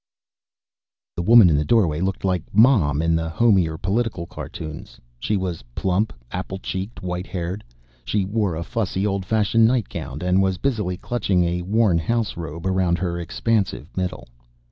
The woman in the doorway looked like Mom in the homier political cartoons. She was plump, apple cheeked, white haired. She wore a fussy, old fashioned nightgown, and was busily clutching a worn house robe around her expansive middle.